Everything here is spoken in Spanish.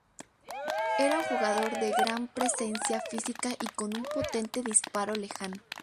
Era un jugador de gran presencia física y con un potente disparo lejano.